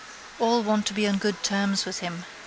All want to be on good terms with him.